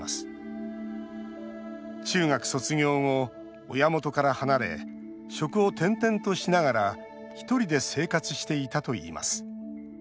中学卒業後、親元から離れ職を転々としながら１人で生活していたといいます。